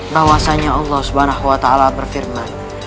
bahwasannya allah swt berfirman